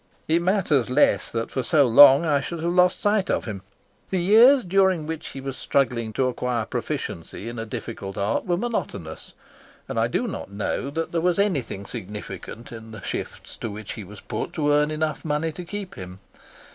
It matters less that for so long I should have lost sight of him. The years during which he was struggling to acquire proficiency in a difficult art were monotonous, and I do not know that there was anything significant in the shifts to which he was put to earn enough money to keep him.